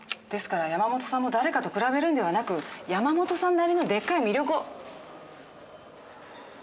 ですから山本さんも誰かと比べるんではなく山本さんなりのでっかい魅力を。